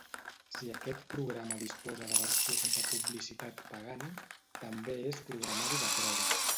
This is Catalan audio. Si aquest programa disposa de versió sense publicitat pagant, també és programari de prova.